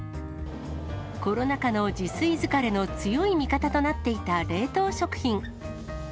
コロナ禍の自炊疲れの強い味方となっていた冷凍食品。